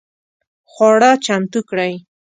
خواړه چمتو کړئ